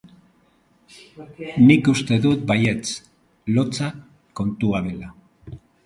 Nik uste dut baietz, lotsa kontua dela.